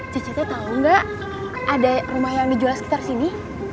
cet cetnya tau gak ada rumah yang dijual sekitar sini